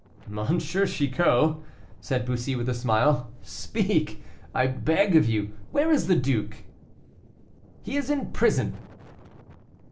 "M. Chicot," said Bussy, with a smile, "speak, I beg of you; where is the duke?" "He is in prison?"